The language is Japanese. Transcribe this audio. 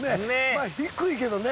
まあ低いけどね。